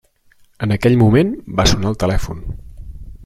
En aquell moment va sonar el telèfon.